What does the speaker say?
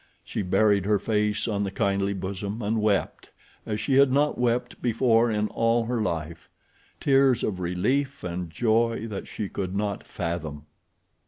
She buried her face on the kindly bosom and wept as she had not wept before in all her life—tears of relief and joy that she could not fathom.